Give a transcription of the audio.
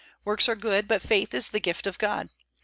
Works are good, but faith is the gift of God.